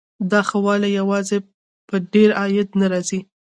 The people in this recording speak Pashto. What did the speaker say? دا ښه والی یوازې په ډېر عاید نه راځي.